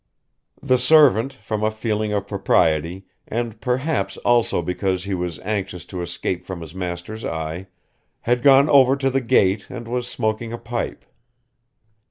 The servant, from a feeling of propriety, and perhaps also because he was anxious to escape from his master's eye, had gone over to the gate and was smoking a pipe.